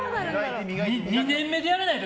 ２年目でやめないと。